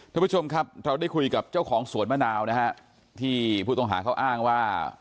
ทุกผู้ชมครับเราได้คุยกับเจ้าของสวนมะนาวนะฮะที่ผู้ต้องหาเขาอ้างว่า